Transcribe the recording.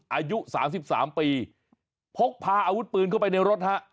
อายุ๓๓ปีพกพาอาวุธปืนเข้าไปในรถฮะ